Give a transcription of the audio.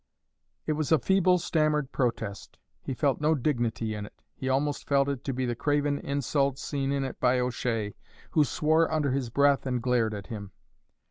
It was a feeble, stammered protest; he felt no dignity in it; he almost felt it to be the craven insult seen in it by O'Shea, who swore under his breath and glared at him.